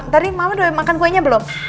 tadi mama udah makan kuenya belum